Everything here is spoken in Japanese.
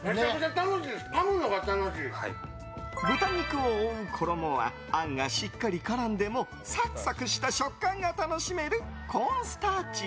豚肉を覆う衣はあんがしっかり絡んでもサクサクした食感が楽しめるコーンスターチ。